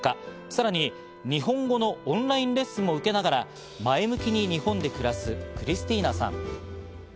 さらに日本語のオンラインレッスンも受けながら、前向きに日本で暮らすクリスティーナさん。